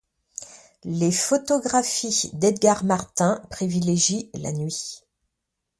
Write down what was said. Les photographies d'Edgar Martins privilégient la nuit.